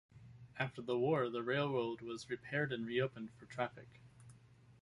After the war, the railroad was repaired and reopened for traffic.